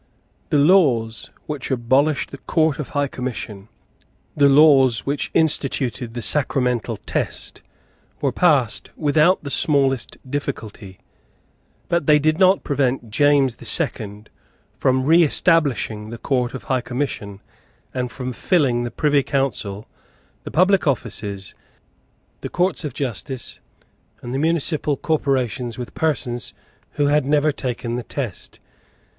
The laws which abolished the Court of High Commission, the laws which instituted the Sacramental Test, were passed without the smallest difficulty; but they did not prevent James the Second from reestablishing the Court of High Commission, and from filling the Privy Council, the public offices, the courts of justice, and the municipal corporations with persons who had never taken the Test.